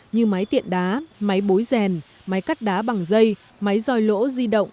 như máy tiện đá máy bối rèn máy cắt đá bằng dây máy doi lỗ di động